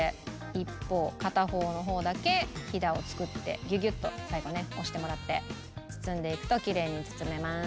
一方片方の方だけひだを作ってギュギュッと最後ね押してもらって包んでいくときれいに包めます。